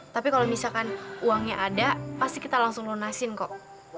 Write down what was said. tapi kalau misalkan uangnya ada pasti kita langsung lunasin kok